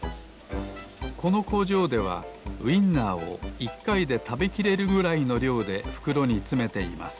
このこうじょうではウインナーを１かいでたべきれるぐらいのりょうでふくろにつめています